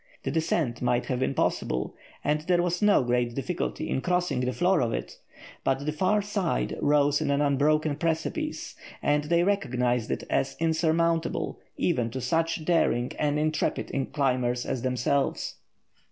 The descent might have been possible, and there was no great difficulty in crossing the floor of it, but the far side rose in an unbroken precipice, and they recognised it as insurmountable, even to such daring and intrepid climbers as themselves.